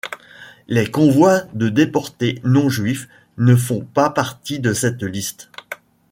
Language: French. Les convois de déportés non-juifs ne font pas partie de cette liste.